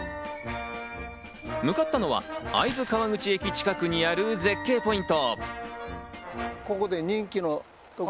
向かったのは会津川口駅近くにある絶景ポイント。